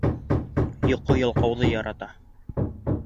Йоҡо ялҡауҙы ярата.